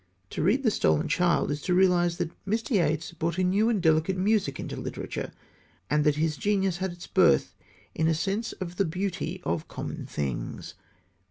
To read The Stolen Child is to realize both that Mr. Yeats brought a new and delicate music into literature and that his genius had its birth in a sense of the beauty of common things.